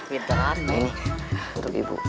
ini untuk ibu